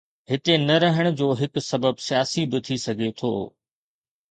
هتي نه رهڻ جو هڪ سبب سياسي به ٿي سگهي ٿو.